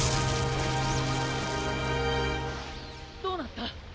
どうなった？